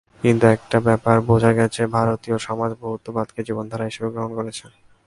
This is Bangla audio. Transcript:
কিন্তু একটা ব্যাপার বুঝে গেছেন, ভারতীয় সমাজ বহুত্ববাদকে জীবনধারা হিসেবে গ্রহণ করেছে।